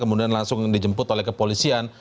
kemudian langsung dijemput oleh kepolisian